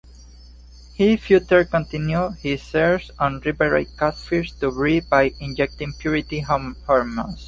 He further continued his research on riverine Catfish to breed by injecting pituitary hormone.